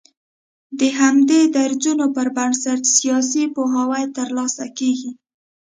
د همدې درځونو پر بنسټ سياسي پوهاوی تر لاسه کېږي